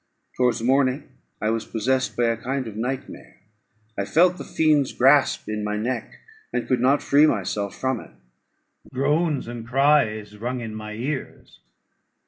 Towards morning I was possessed by a kind of night mare; I felt the fiend's grasp in my neck, and could not free myself from it; groans and cries rung in my ears.